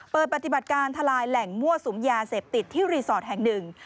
เปิดปฏิบัติการทลายแหล่งมั่วสุมยาเสพติดที่รีสอร์ทแห่งหนึ่ง